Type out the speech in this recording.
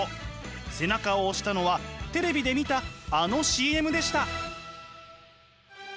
背中を押したのはテレビで見たあのＣＭでした。